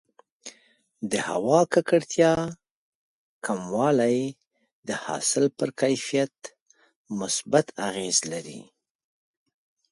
د هوا د ککړتیا کموالی د حاصل پر کیفیت مثبت اغېز لري.